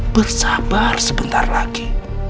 bersabar sebentar lagi